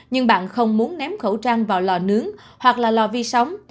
nhưng bạn không muốn ném khẩu trang vào lò nướng hoặc là lò vi sóng